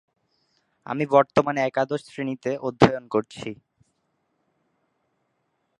তারপর Mount Cuba রোডে প্রবেশ করে।